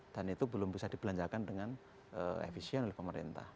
dan itu belum bisa dibelanjakan dengan efisien oleh pemerintah